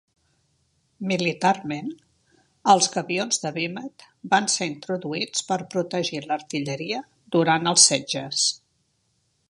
Militarment, els gabions de vímet van ser introduïts per protegir l'artilleria durant els setges.